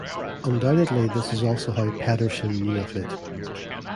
Undoubtedly this is also how Pedersen knew of it.